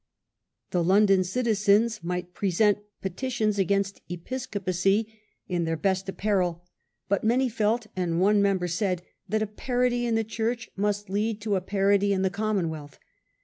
The London citizens might present petitions against Episcopacy " in their best apparel", but many felt, and one member said, that "a parity in the Church " must lead to a " parity in the Com monwealth".